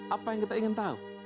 apa yang kita ingin tahu